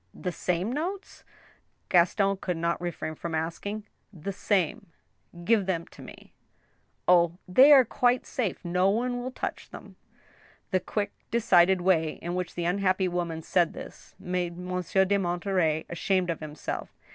" The same notes ?" Gaston could not refrain from asking. " The same." " Give them to me." Oh ! they are quite safe. No one will touch them." The quick, decided way in which the unhappy woman said this, made Monsieur de Monterey ashamed of himself.